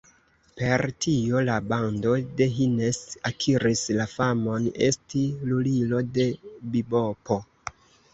Per tio la bando de Hines akiris la famon esti "lulilo de bibopo".